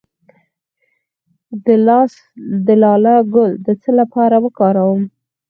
د لاله ګل د څه لپاره وکاروم؟